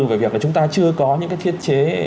về việc là chúng ta chưa có những cái thiết chế